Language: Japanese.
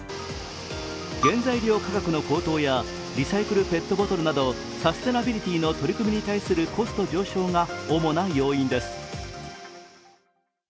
原材料価格の高騰やリサイクルペットボトルなどサステナビリティの取り組みに対するコスト上昇が主な要因です。